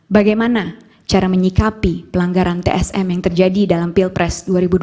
bagaimana cara menyikapi pelanggaran tsm yang terjadi dalam pilpres dua ribu dua puluh